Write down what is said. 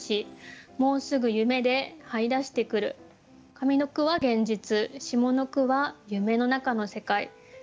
上の句は現実下の句は夢のなかの世界。